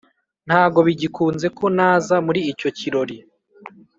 ntago bigikunze ko naza muri icyo kirori